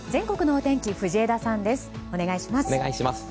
お願いします。